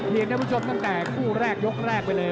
เรียนทางฟิวชมตั้งแต่กู้แรกยกแรกไปเลย